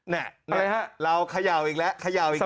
เนี่ยเราขย่าวอีกแล้วขย่าวอีกแล้ว